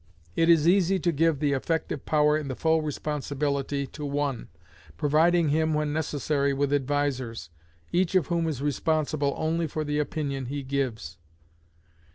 It is easy to give the effective power and the full responsibility to one, providing him when necessary with advisers, each of whom is responsible only for the opinion he gives.